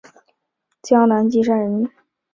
江南金山人。